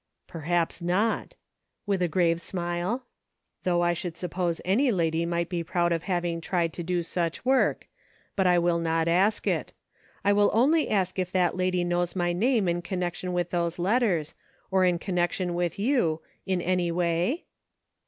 *"" Perhaps not," with a grave smile, " though I should suppose any lady might be proud of having tried to do such work, but I will not ask it ; I will 336 "THAT BEATS ME !" only ask if that lady knows my name in connection with those letters, or in connection with you, in any way